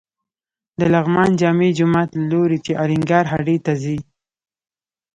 د لغمان جامع جومات له لوري چې الینګار هډې ته ځې.